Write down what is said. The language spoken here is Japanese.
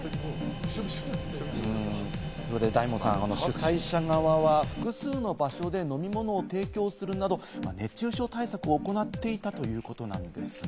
大門さん、主催者側は複数の場所で飲み物を提供するなど熱中症対策を行っていたということなんですが。